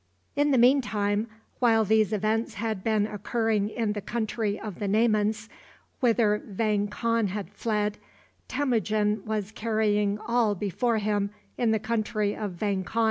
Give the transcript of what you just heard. In the mean time, while these events had been occurring in the country of the Naymans, whither Vang Khan had fled, Temujin was carrying all before him in the country of Vang Khan.